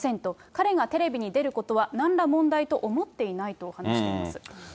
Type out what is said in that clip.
彼がテレビに出ることはなんら問題と思っていないと話しています。